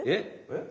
えっ？